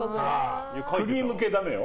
クリーム系ダメよ。